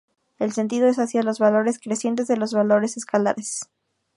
El sentido es hacia los valores crecientes de los valores escalares.